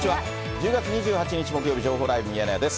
１０月２８日木曜日、情報ライブミヤネ屋です。